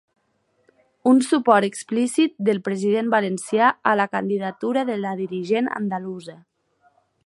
Un suport explícit del president valencià a la candidatura de la dirigent andalusa.